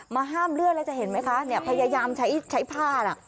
ห้ามเลือดแล้วจะเห็นไหมคะเนี่ยพยายามใช้ใช้ผ้าน่ะ